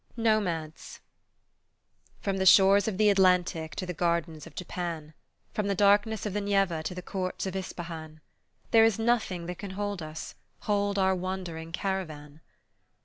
NOMADS FROM the shores of the Atlantic to the gardens of Japan, From the darkness of the Neva to the courts of Ispahan, There is nothing that can hold us, hold our wandering caravan.